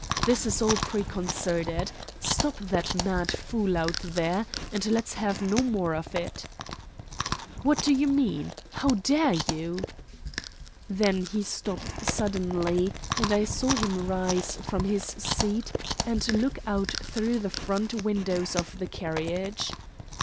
"This is all preconcerted. Stop that mad fool out there, and let's have no more of it." "What do you mean? How dare you?" Then he stopped suddenly, and I saw him rise from his seat and look out through the front windows of the carriage.